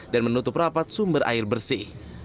dan menutup rapat sumber air bersih